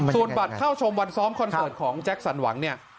ส่วนบัตรเข้าชมวันซ้อมคอนเสิร์ตของแจ็คสันหวังเนี่ย